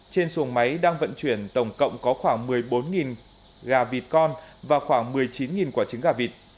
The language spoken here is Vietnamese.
trên xuồng máy đang vận chuyển tổng cộng có khoảng một mươi bốn gà vịt con và khoảng một mươi chín quả trứng gà vịt